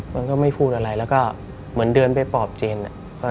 มันก็ไม่พูดอะไรแล้วก็เหมือนเดินไปปอบเจน